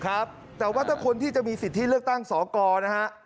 ครับแต่ว่าถ้าคนที่จะมีสิทธิเลือกตั้งสอกรนะฮะ